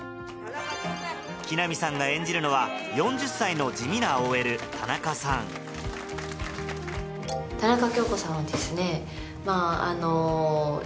木南さんが演じるのは４０歳の地味なＯＬ田中さん田中京子さんはですね。